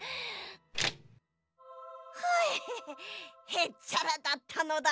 へっちゃらだったのだ。